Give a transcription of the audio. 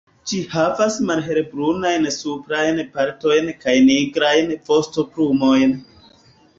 Ĝi havas malhelbrunajn suprajn partojn kaj nigrajn vostoplumojn.